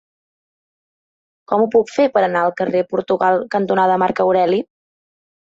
Com ho puc fer per anar al carrer Portugal cantonada Marc Aureli?